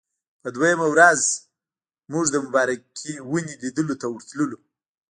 په دویمه ورځ موږ د مبارکې ونې لیدلو ته ورتللو.